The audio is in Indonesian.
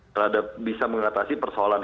terhadap bisa mengatasi persoalan